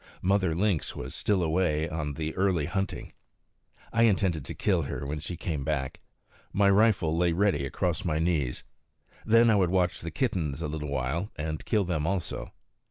Mother Lynx was still away on the early hunting. I intended to kill her when she came back. My rifle lay ready across my knees. Then I would watch the kittens a little while, and kill them also.